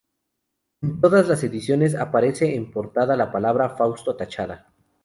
En todas las ediciones aparece en portada la palabra "Fausto" tachada.